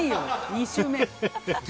２周目。